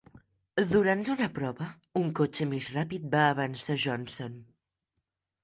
Durant una prova, un cotxe més ràpid va avançar Johnson.